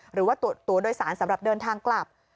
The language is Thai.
หรือว่าตัวโดยสารสำหรับเดินทางกลับ